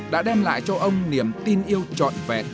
đã đem lại cho ông niềm tin yêu trọn vẹn